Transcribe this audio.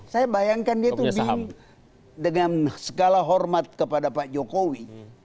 saya bayangkan dia itu bingung dengan segala hormat kepada pak jokowi